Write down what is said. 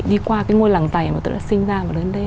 đi qua cái ngôi làng tài mà tôi đã sinh ra và đến đây